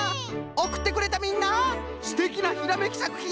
おくってくれたみんなすてきなひらめきさくひんを。